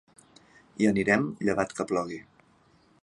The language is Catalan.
Hi anirem, llevat que plogui.